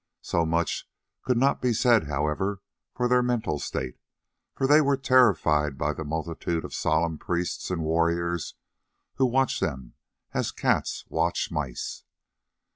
So much could not be said, however, of their mental state, for they were terrified by the multitude of solemn priests and warriors who watched them as cats watch mice.